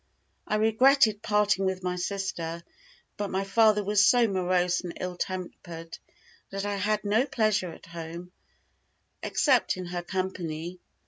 I regretted parting with my sister, but my father was so morose and ill tempered, that I had no pleasure at home, except in her company.